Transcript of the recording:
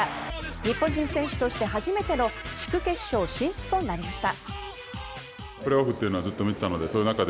日本人選手として初めての地区決勝進出となりました。